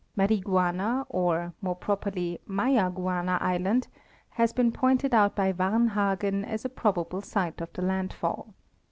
Mariguana or, more properly, Mayaguana island has been pointed out by Varnhagen as a probable site of the landfall.